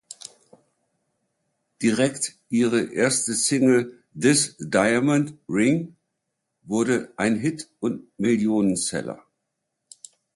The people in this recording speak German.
Direkt ihre erste Single "This Diamond Ring" wurde ein Hit und Millionenseller.